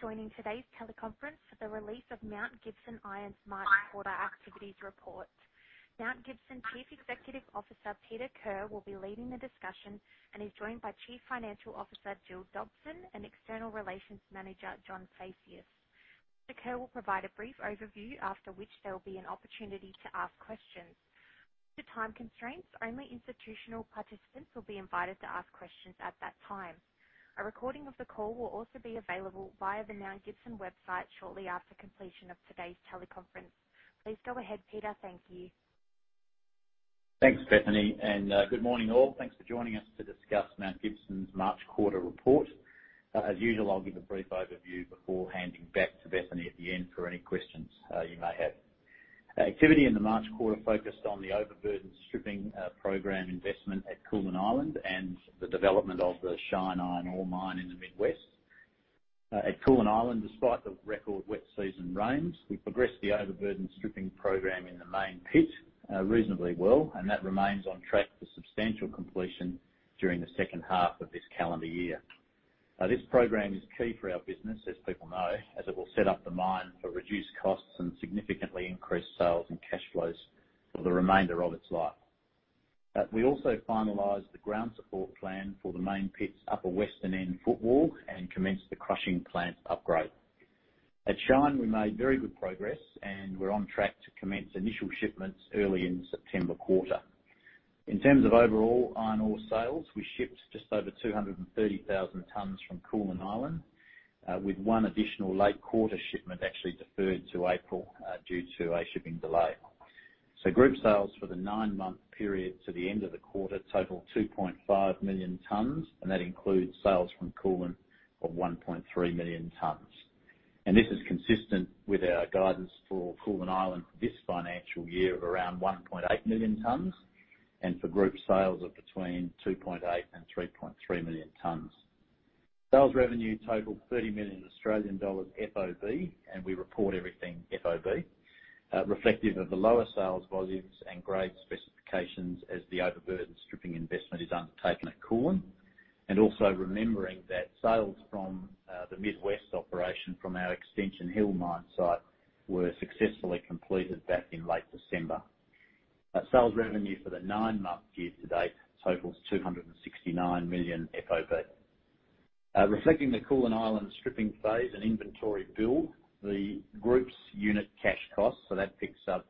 Thank you for joining today's teleconference for the release of Mount Gibson Iron's March quarter activities report. Mount Gibson Chief Executive Officer, Peter Kerr, will be leading the discussion and is joined by Chief Financial Officer, Gill Dobson, and External Relations Manager, John Phaceas. Peter Kerr will provide a brief overview, after which there will be an opportunity to ask questions. Due to time constraints, only institutional participants will be invited to ask questions at that time. A recording of the call will also be available via the Mount Gibson website shortly after completion of today's teleconference. Please go ahead, Peter. Thank you. Thanks, Bethany. Good morning, all. Thanks for joining us to discuss Mount Gibson's March quarter report. As usual, I'll give a brief overview before handing back to Bethany at the end for any questions you may have. Activity in the March quarter focused on the overburden stripping program investment at Koolan Island and the development of the Shine iron ore mine in the Mid West. At Koolan Island, despite the record wet season rains, we progressed the overburden stripping program in the main pit reasonably well. That remains on track for substantial completion during the second half of this calendar year. This program is key for our business, as people know, as it will set up the mine for reduced costs and significantly increased sales and cash flows for the remainder of its life. We also finalized the ground support plan for the main pit's upper western end footwall and commenced the crushing plant upgrade. At Shine, we made very good progress and we're on track to commence initial shipments early in the September quarter. In terms of overall iron ore sales, we shipped just over 230,000 tonnes from Koolan Island, with one additional late quarter shipment actually deferred to April, due to a shipping delay. Group sales for the nine-month period to the end of the quarter total 2.5 million tonnes, and that includes sales from Koolan of 1.3 million tonnes. This is consistent with our guidance for Koolan Island for this financial year of around 1.8 million tonnes, and for group sales of between 2.8 million and 3.3 million tonnes. Sales revenue totaled 30 million Australian dollars FOB, and we report everything FOB. Reflective of the lower sales volumes and grade specifications as the overburden stripping investment is undertaken at Koolan. Also, remembering that sales from the Mid West operation from our Extension Hill mine site were successfully completed back in late December. Our sales revenue for the nine-month year-to-date totals 269 million FOB. Reflecting the Koolan Island stripping phase and inventory build, the group's unit cash costs, so that picks up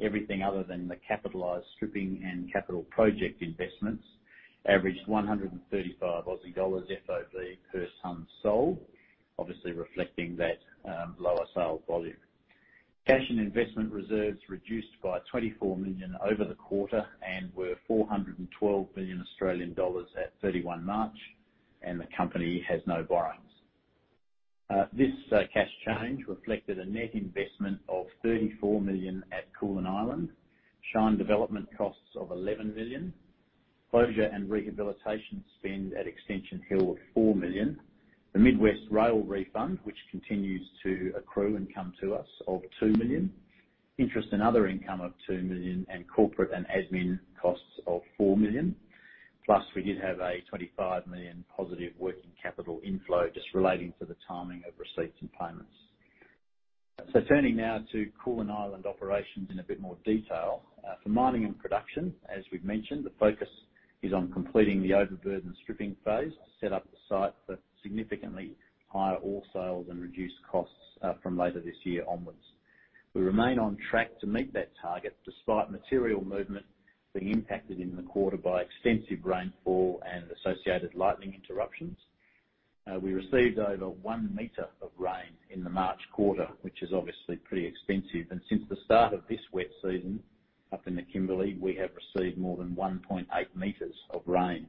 everything other than the capitalized stripping and capital project investments, averaged 135 Aussie dollars FOB per ton sold, obviously reflecting that lower sales volume. Cash and investment reserves reduced by 24 million over the quarter and were 412 million Australian dollars at March 31. The company has no borrowings. This cash change reflected a net investment of 34 million at Koolan Island, Shine development costs of 11 million, closure and rehabilitation spend at Extension Hill of 4 million. The Mid West rail refund, which continues to accrue and come to us, of 2 million. Interest and other income of 2 million and corporate and admin costs of 4 million. We did have an 25 million positive working capital inflow just relating to the timing of receipts and payments. Turning now to Koolan Island operations in a bit more detail. For mining and production, as we've mentioned, the focus is on completing the overburden stripping phase to set up the site for significantly higher ore sales and reduced costs from later this year onwards. We remain on track to meet that target, despite material movement being impacted in the quarter by extensive rainfall and associated lightning interruptions. We received over one meter of rain in the March quarter, which is obviously pretty extensive. Since the start of this wet season up in the Kimberley, we have received more than 1.8 m of rain,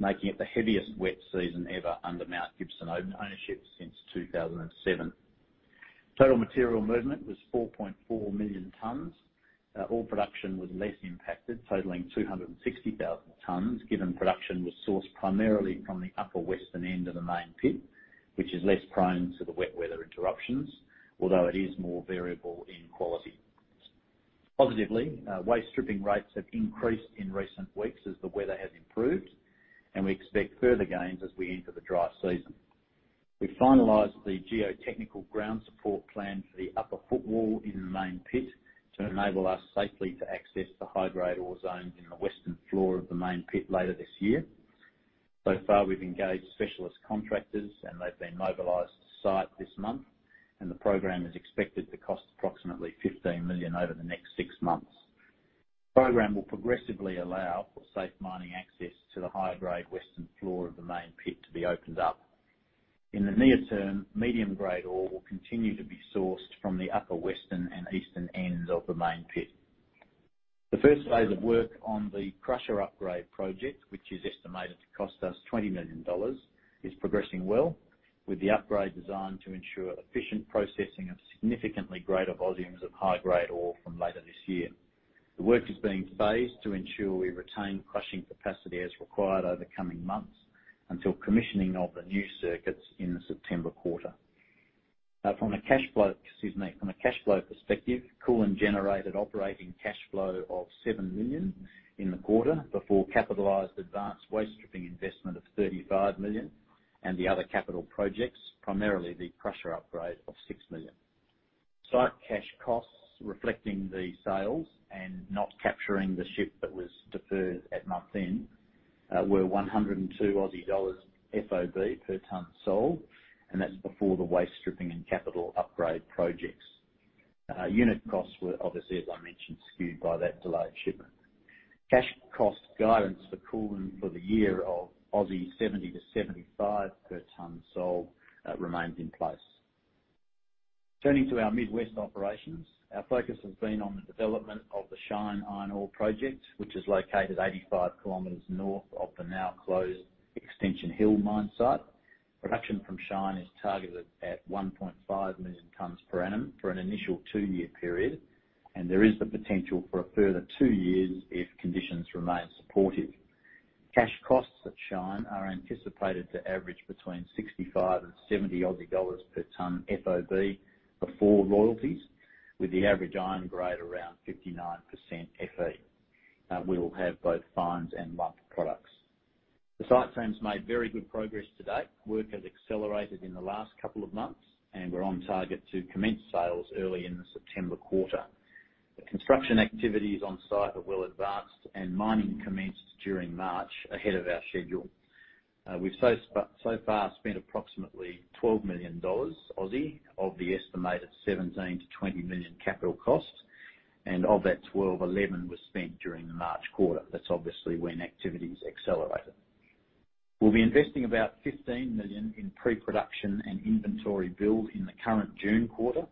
making it the heaviest wet season ever under Mount Gibson ownership since 2007. Total material movement was 4.4 million tonne. Ore production was less impacted, totaling 260,000 tonne, given production was sourced primarily from the upper western end of the main pit, which is less prone to the wet weather interruptions, although it is more variable in quality. Positively, waste stripping rates have increased in recent weeks as the weather has improved, and we expect further gains as we enter the dry season. We finalized the geotechnical ground support plan for the upper footwall in the main pit to enable us safely to access the high-grade ore zones in the western floor of the main pit later this year. So far, we've engaged specialist contractors, and they've been mobilized to the site this month. The program is expected to cost approximately 15 million over the next six months. The program will progressively allow for safe mining access to the high-grade western floor of the main pit to be opened up. In the near term, medium-grade ore will continue to be sourced from the upper western and eastern ends of the main pit. The first phase of work on the crusher upgrade project, which is estimated to cost us 20 million dollars, is progressing well, with the upgrade designed to ensure efficient processing of significantly greater volumes of high-grade ore from later this year. The work is being phased to ensure we retain crushing capacity as required over coming months until commissioning of the new circuits in the September quarter. From a cash flow perspective, Koolan generated an operating cash flow of 7 million in the quarter before capitalized advanced waste stripping investment of 35 million, and the other capital projects, primarily the crusher upgrade of 6 million. Site cash costs reflecting the sales and not capturing the ship that was deferred at the month end were 102 Aussie dollars FOB per ton sold, and that's before the waste stripping and capital upgrade projects. Unit costs were obviously, as I mentioned, skewed by that delayed shipment. Cash cost guidance for Koolan for the year of 70-75 per ton sold remains in place. Turning to our Mid West operations, our focus has been on the development of the Shine iron ore project, which is located 85 km north of the now-closed Extension Hill mine site. Production from Shine is targeted at 1.5 million tonne per annum for an initial two-year period. There is the potential for a further two years if conditions remain supportive. Cash costs at Shine are anticipated to average between 65 and 70 Aussie dollars per ton FOB before royalties, with the average iron grade around 59% Fe. We will have both fines and lump products. The site team's made very good progress to date. Work has accelerated in the last couple of months. We're on target to commence sales early in the September quarter. The construction activities on site are well advanced. Mining commenced during March, ahead of our schedule. We've so far spent approximately 12 million Aussie dollars of the estimated 17 million-20 million capital cost. Of that 12 million, 11 million was spent during the March quarter. That's obviously when activities accelerated. We'll be investing about 15 million in pre-production and inventory build in the current June quarter.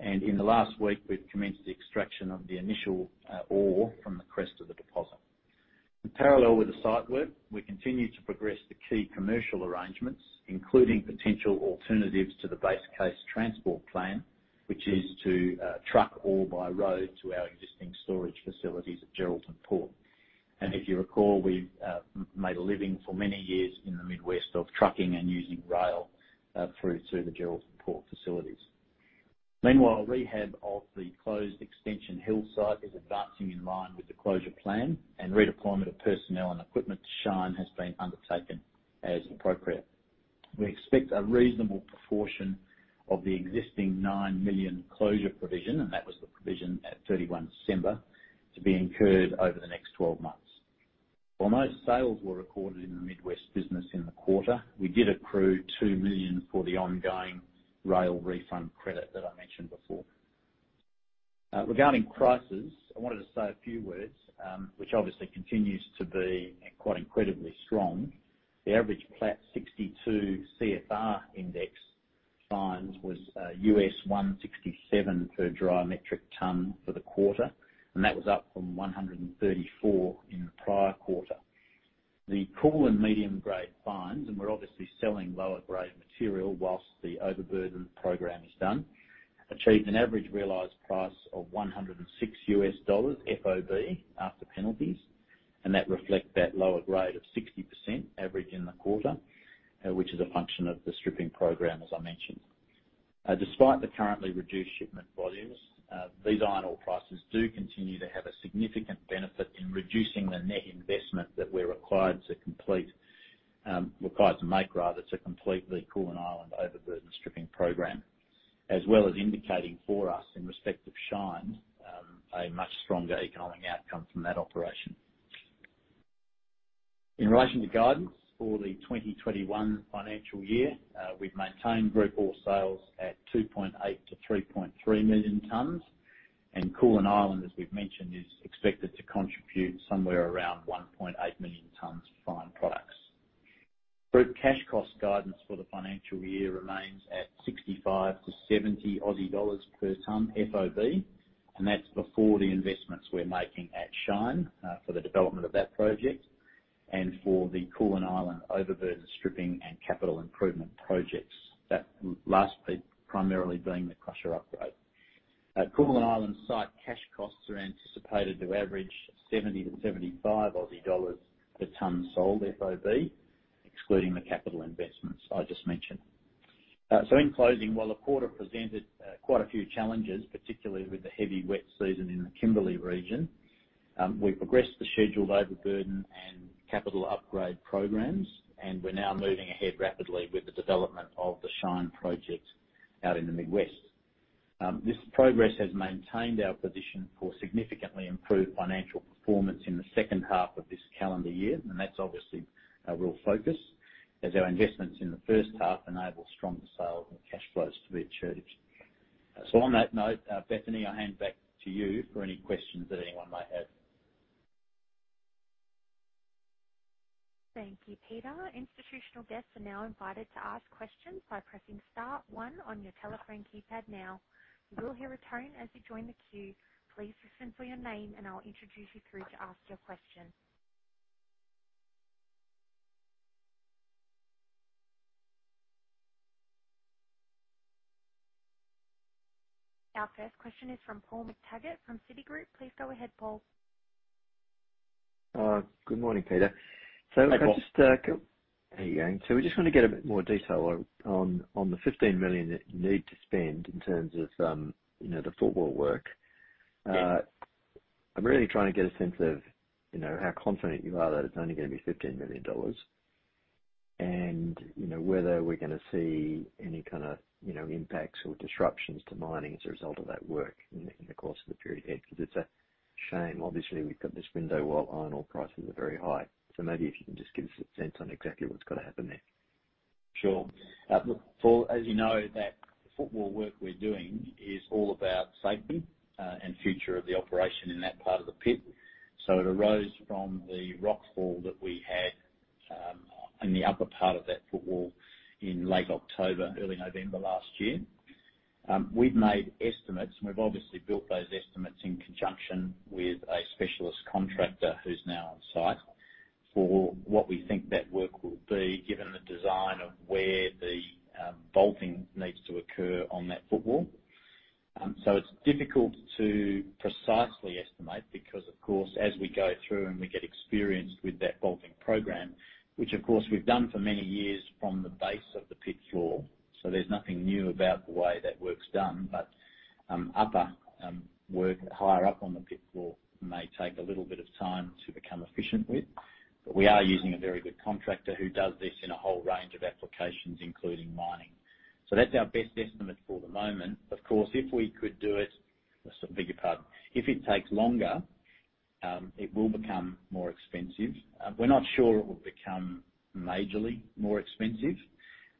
In the last week, we've commenced the extraction of the initial ore from the crest of the deposit. In parallel with the site work, we continue to progress the key commercial arrangements, including potential alternatives to the base case transport plan, which is to truck ore by road to our existing storage facilities at Geraldton Port. If you recall, we've made a living for many years in the Mid West of trucking and using rail through to the Geraldton Port facilities. Meanwhile, rehab of the closed Extension Hill site is advancing in line with the closure plan, and redeployment of personnel and equipment to Shine has been undertaken as appropriate. We expect a reasonable proportion of the existing 9 million closure provision, and that was the provision at December 31, to be incurred over the next 12 months. While no sales were recorded in the Mid West business in the quarter, we did accrue 2 million for the ongoing rail refund credit that I mentioned before. Regarding prices, I wanted to say a few words, which obviously continues to be quite incredibly strong. The average Platts 62% Fe CFR Index fines was $167 per dry metric ton for the quarter, and that was up from $134 in the prior quarter. The Koolan medium-grade fines, and we're obviously selling lower-grade material whilst the overburden program is done, achieved an average realized price of $106 FOB after penalties. That reflects that lower grade of 60% average in the quarter, which is a function of the stripping program, as I mentioned. Despite the currently reduced shipment volumes, these iron ore prices do continue to have a significant benefit in reducing the net investment that we're required to make to complete the Koolan Island overburden stripping program, as well as indicating for us, in respect of Shine, a much stronger economic outcome from that operation. In relation to guidance for the 2021 financial year, we've maintained group ore sales at 2.8 million-3.3 million tonne. Koolan Island, as we've mentioned, is expected to contribute somewhere around 1.8 million tonne of fines products. Group cash cost guidance for the financial year remains at 65- 70 Aussie dollars per ton FOB, and that's before the investments we're making at Shine for the development of that project and for the Koolan Island overburden stripping and capital improvement projects. That last bit primarily being the crusher upgrade. Koolan Island site cash costs are anticipated to average 70-75 Aussie dollars per ton sold FOB, excluding the capital investments I just mentioned. In closing, while the quarter presented quite a few challenges, particularly with the heavy wet season in the Kimberley region, we progressed the scheduled overburden and capital upgrade programs, and we're now moving ahead rapidly with the development of the Shine project out in the Mid West. This progress has maintained our position for significantly improved financial performance in the second half of this calendar year. That's obviously our real focus as our investments in the first half enable stronger sales and cash flows to be achieved. On that note, Bethany, I hand back to you for any questions that anyone may have. Thank you, Peter. Institutional guests are now invited to ask questions by pressing star one on your telephone keypad now. You will hear a tone as you join the queue. Please listen for your name, and I'll introduce you through to ask your question. Our first question is from Paul McTaggart from Citigroup. Please go ahead, Paul. Good morning, Peter. Hey, Paul. How are you going? We just want to get a bit more detail on the 15 million that you need to spend in terms of the footwall work. I'm really trying to get a sense of how confident you are that it's only going to be 15 million dollars, and whether we're going to see any kind of impacts or disruptions to mining as a result of that work in the course of the period ahead. It's a shame, obviously, we've got this window while iron ore prices are very high. Maybe if you can just give us a sense on exactly what's going to happen there. Sure. Paul, as you know, the footwall works we're doing is all about safety and the future of the operation in that part of the pit. It arose from the rockfall that we had in the upper part of that footwall in late October, early November last year. We've made estimates, and we've obviously built those estimates in conjunction with a specialist contractor who's now on site, for what we think that work will be, given the design of where the bolting needs to occur on that footwall. It's difficult to precisely estimate because, of course, as we go through and we get experienced with that bolting program, which of course we've done for many years from the base of the pit floor, so there's nothing new about the way that works done. Upper work higher up on the pit floor may take a little bit of time to become efficient with. We are using a very good contractor who does this in a whole range of applications, including mining. That's our best estimate for the moment. Of course, if we could do it, beg your pardon. If it takes longer, it will become more expensive. We're not sure it will become majorly more expensive.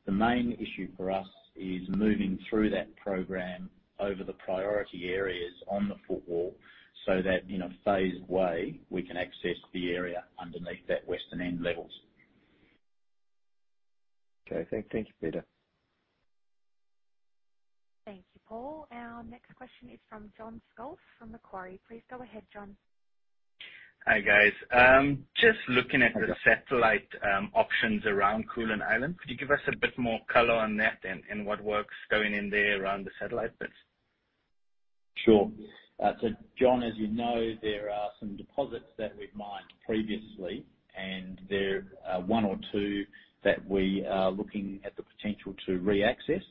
The main issue for us is moving through that program over the priority areas on the footwall so that in a phased way, we can access the area underneath that western end levels. Okay. Thank you, Peter. Thank you, Paul. Our next question is from John Scoufis from Macquarie. Please go ahead, John. Hi, guys. Hi, John. Just looking at the satellite options around Koolan Island. Could you give us a bit more color on that and what work's going in there around the satellite bits? Sure. John, as you know, there are some deposits that we've mined previously, and there are one or two that we are looking at the potential to reaccess.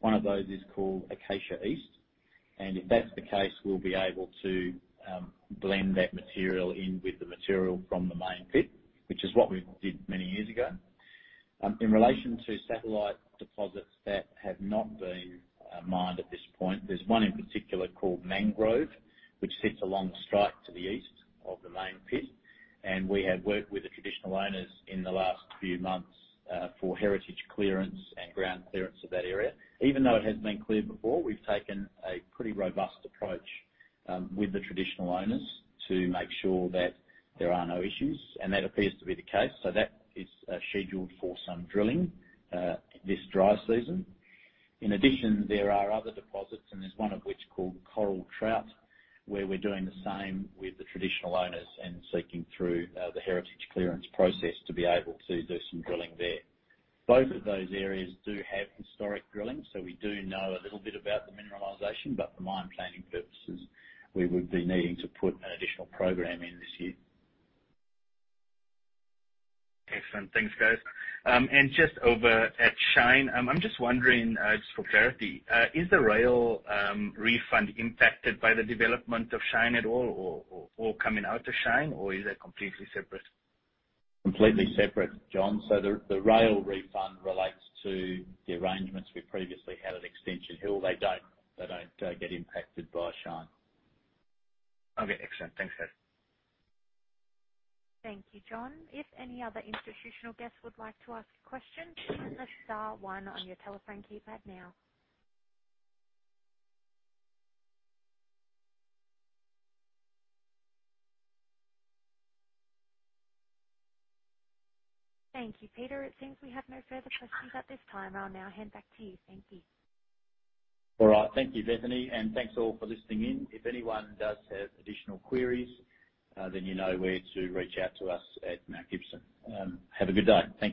One of those is called Acacia East, if that's the case, we'll be able to blend that material in with the material from the main pit, which is what we did many years ago. In relation to satellite deposits that have not been mined at this point, there's one in particular called Mangrove, which sits along the strike to the east of the main pit. We have worked with the traditional owners in the last few months, for heritage clearance and ground clearance of that area. Even though it has been cleared before, we've taken a pretty robust approach with the traditional owners to make sure that there are no issues, that appears to be the case. That is scheduled for some drilling this dry season. In addition, there are other deposits, and there is one of which called Coral Trout, where we are doing the same with the traditional owners and seeking through the heritage clearance process to be able to do some drilling there. Both of those areas do have historic drilling, so we do know a little bit about the mineralization, but for mine planning purposes, we would be needing to put an additional program in this year. Excellent. Thanks, guys. Just over at Shine, I'm just wondering, just for clarity, is the rail refund impacted by the development of Shine at all or coming out of Shine, or is that completely separate? Completely separate, John. The rail refund relates to the arrangements we previously had at Extension Hill. They don't get impacted by Shine. Okay. Excellent. Thanks, guys. Thank you, John. If any other institutional guests would like to ask a question, press star one on your telephone keypad now. Thank you, Peter. It seems we have no further questions at this time. I'll now hand back to you. Thank you. All right. Thank you, Bethany, and thanks all for listening in. If anyone does have additional queries, then you know where to reach out to us at Mount Gibson. Have a good day. Thank you.